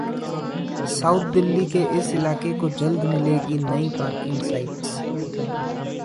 south Delhi के इस इलाके को जल्द मिलेगी नई पार्किंग साइट्स